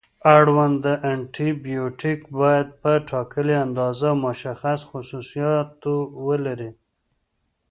اړونده انټي بیوټیک باید په ټاکلې اندازه او مشخص خصوصیاتو ولري.